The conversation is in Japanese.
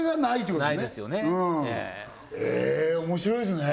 面白いですねね